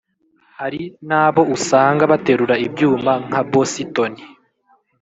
Hari nabo usanga baterura ibyuma nka bositoni